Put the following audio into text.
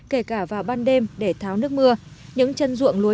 kể cả vào ban đêm để tháo nước mưa